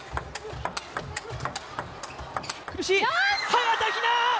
早田ひな！